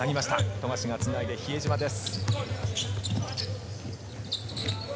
富樫がつないで比江島です。